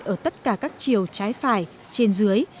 ở tất cả các chiều trái phải trên dưới